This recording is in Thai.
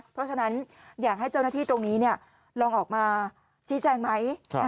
เพราะฉะนั้นอยากให้เจ้าหน้าที่ตรงนี้ลองออกมาชี้แจงไหม